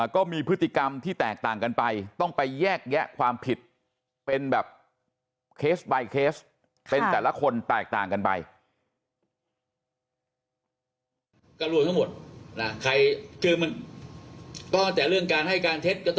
ก็มีพฤติกรรมที่แตกต่างกันไปต้องไปแยกแยะความผิดเป็นแบบเคสบายเคส